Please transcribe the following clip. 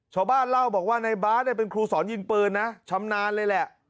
ชาวบ้านเล่าบอกว่าในบาร์ดเนี่ยเป็นครูสอนยิงปืนนะชำนาญเลยแหละ